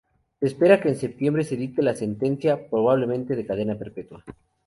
Se espera que en septiembre se dicte la sentencia, probablemente de cadena perpetua.